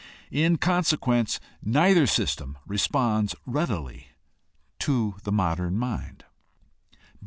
In consequence neither system responds readily to the modern mind.